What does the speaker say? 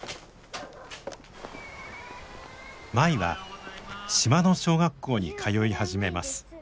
舞は島の小学校に通い始めます。